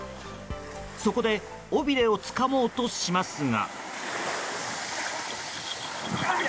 そこで尾びれをつかもうとしますが。